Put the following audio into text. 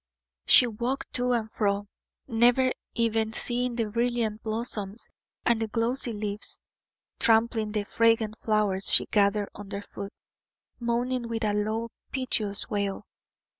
She walked to and fro, never even seeing the brilliant blossoms and the glossy leaves, trampling the fragrant flowers she gathered underfoot, moaning with a low, piteous wail.